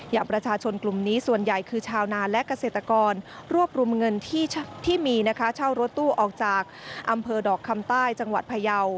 อย่างประชาชนกลุ่มนี้ส่วนใหญ่คือชาวนาและเกษตรกรรวบรวมเงินที่มีนะคะเช่ารถตู้ออกจากอำเภอดอกคำใต้จังหวัดพยาว